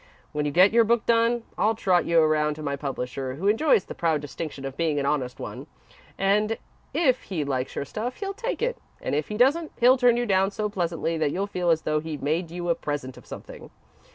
When you get your book done, I'll trot you around to my publisher, who enjoys the proud distinction of being an honest one, and if he likes your stuff, he'll take it, and if he doesn't, he'll turn you down so pleasantly that you'll feel as though he'd made you a present of something.